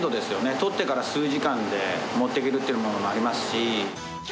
取ってから数時間で持ってけるっていうのもありますし。